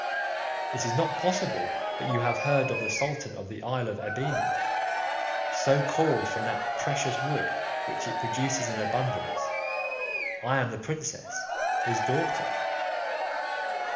It is not possible but you have heard of the sultan of the isle of Ebene, so called from that precious wood which it produces in abundance; I am the princess his daughter.